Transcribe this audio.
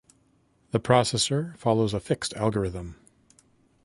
The processor follows a fixed algorithm.